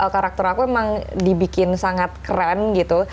karakter aku emang dibikin sangat keren gitu